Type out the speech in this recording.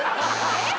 えっ？